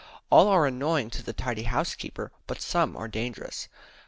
All are annoying to the tidy housekeeper; but some are dangerous.